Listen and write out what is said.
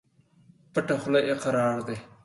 پټه خوله اقرار دى.